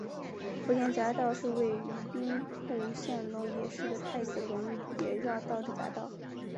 福田匝道是位于兵库县龙野市的太子龙野绕道之匝道。